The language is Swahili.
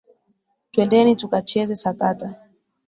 Twendeni tukacheze sakata.